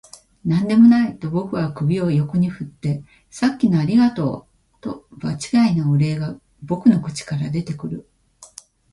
「何でもない」と僕は首を横に振って、「さっきのありがとう」と場違いなお礼が僕の口から出てくる